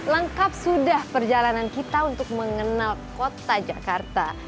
lengkap sudah perjalanan kita untuk mengenal kota jakarta